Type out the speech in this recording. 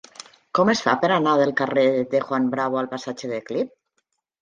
Com es fa per anar del carrer de Juan Bravo al passatge de Clip?